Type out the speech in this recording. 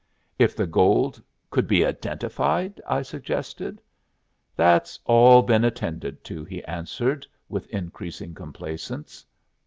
"If the gold could be identified?" I suggested. "That's been all attended to," he answered, with increasing complacence.